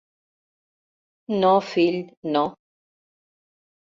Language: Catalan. No, fill, no.